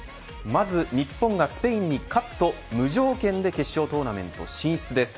まず、日本がスペインに勝つと無条件で決勝トーナメント進出です。